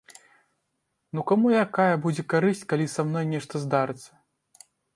Ну каму якая будзе карысць, калі са мной нешта здарыцца.